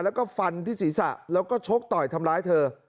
แล้วก็ฟันที่ศีรษะแล้วก็ชกต่อยทำร้ายเธอ